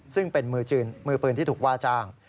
ซึ่งเป็นมือปืนที่ถูกว่าจ้าง